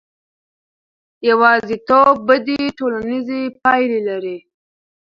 یوازیتوب بدې ټولنیزې پایلې لري.